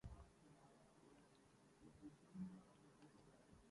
سے بعد میں کولاچی اور بگڑ کر انگریزوں کے دور میں کراچی ھو گئی